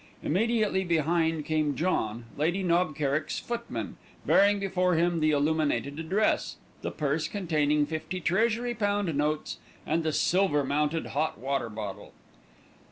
Immediately behind came John, Lady Knob Kerrick's footman, bearing before him the illuminated address, the purse containing fifty Treasury pound notes, and the silver mounted hot water bottle.